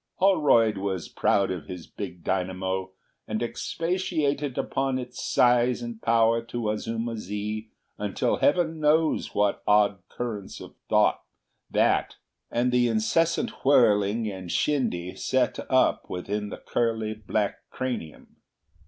Holroyd was proud of his big dynamo, and expatiated upon its size and power to Azuma zi until heaven knows what odd currents of thought that and the incessant whirling and shindy set up within the curly black cranium.